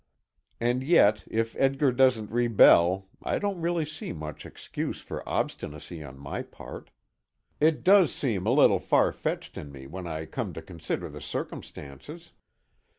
And yet, if Edgar doesn't rebel, I don't really see much excuse for obstinacy on my part. It does seem a little "far fetched" in me when I come to consider the circumstances.